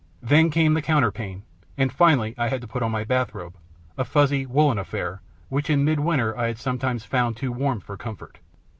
Then came the counterpane, and finally I had to put on my bath robe a fuzzy woollen affair, which in midwinter I had sometimes found too warm for comfort.